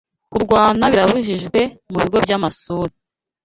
Kurwana birabujijwe mubigo byamasuri